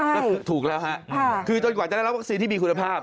นี่ถูกแล้วจนกว่าจะได้รับแวคซีนมีคุณภาพ